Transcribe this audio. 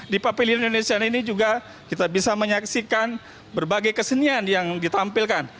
di papili indonesia ini juga kita bisa menyaksikan berbagai kesenian yang ditampilkan